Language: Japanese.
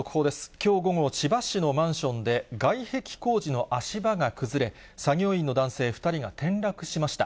きょう午後、千葉市のマンションで、外壁工事の足場が崩れ、作業員の男性２人が転落しました。